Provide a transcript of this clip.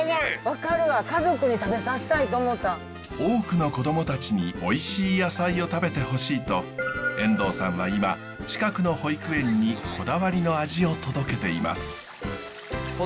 多くの子ども達においしい野菜を食べてほしいと遠藤さんは今近くの保育園にこだわりの味を届けています。